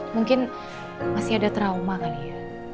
mungkin masih ada trauma kali ya